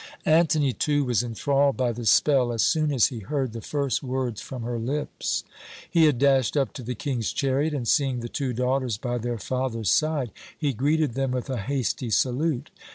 "Antony, too, was enthralled by the spell as soon as he heard the first words from her lips. He had dashed up to the King's chariot, and seeing the two daughters by their father's side, he greeted them with a hasty salute.